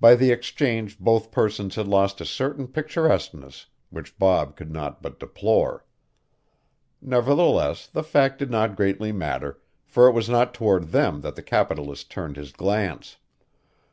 By the exchange both persons had lost a certain picturesqueness which Bob could not but deplore. Nevertheless the fact did not greatly matter, for it was not toward them that the capitalist turned his glance.